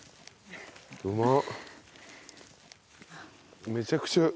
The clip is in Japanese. うまっ！